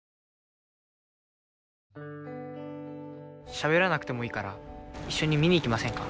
しゃべらなくてもいいから一緒に見に行きませんか？